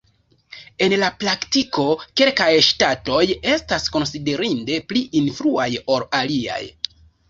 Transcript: En la praktiko, kelkaj ŝtatoj estas konsiderinde pli influaj ol aliaj.